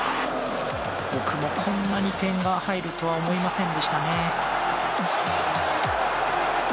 僕も、こんなに点が入るとは思いませんでしたね。